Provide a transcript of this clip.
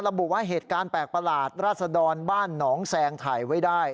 ระบุว่าเหตุการณ์แปลกประหลาดราษดรบ้านหนองแซงถ่ายไว้ได้